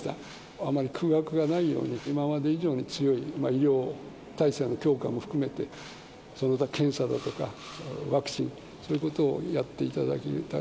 あまり空白がないように、今まで以上に強い医療体制の強化も含めて、検査だとか、ワクチン、そういうことをやっていただきたい。